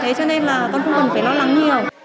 thế cho nên là con không cần phải lo lắng nhiều